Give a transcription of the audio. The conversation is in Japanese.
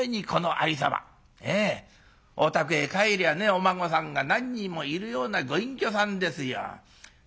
お宅へ帰りゃあねお孫さんが何人もいるようなご隠居さんですよ。